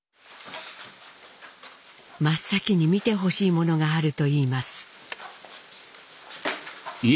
真っ先に見てほしいものがあると言います。